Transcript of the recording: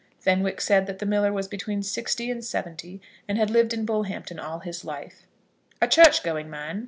Fenwick said that the miller was between sixty and seventy, and had lived in Bullhampton all his life. "A church going man?"